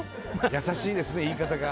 優しいですね、言い方が。